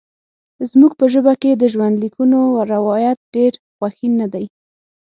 زموږ په ژبه کې د ژوندلیکونو روایت ډېر غوښین نه دی.